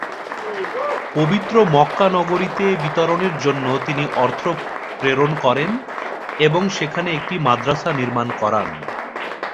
পবিত্র মক্কা নগরীতে বিতরণের জন্য তিনি অর্থ প্রেরণ করেন এবং সেখানে একটি মাদ্রাসা নির্মাণ করান।